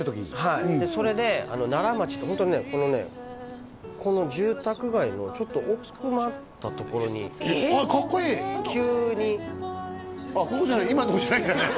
はいそれでならまちってホントにねこのねこの住宅街のちょっと奥まったところにあっかっこいい急にあっここじゃない今のとこじゃないんだね